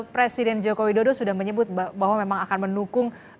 presiden joko widodo sudah menyebut bahwa memang akan mendukung